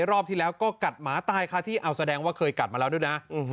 รอบที่แล้วก็กัดหมาตายค่ะที่เอาแสดงว่าเคยกัดมาแล้วด้วยนะ